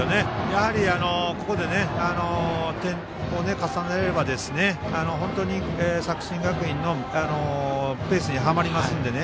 ここで点を重ねられれば本当に作新学院のペースにはまりますのでね。